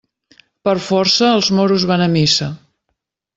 Per força, els moros van a missa.